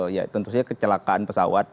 ya tentunya kecelakaan pesawat